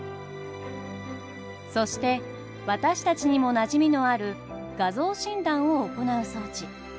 そして私たちにもなじみのある画像診断を行う装置。